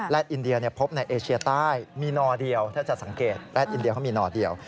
และอินเดียพบในเอเชียใต้มีนอเดียวถ้าจะสังเกตแดดอินเดียเขามีนอเดียว